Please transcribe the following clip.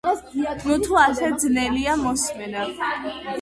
ნუთუ ასე ძნელია მოსმენა.